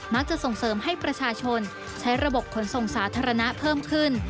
จะส่งเสริมให้ประชาชนใช้ระบบขนส่งสาธารณะเพิ่มขึ้น